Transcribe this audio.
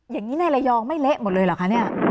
อย่างนี้ในระยองไม่เละหมดเลยเหรอคะเนี่ย